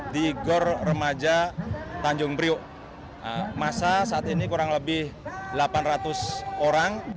di gor remaja tanjung priuk masa saat ini kurang lebih delapan ratus orang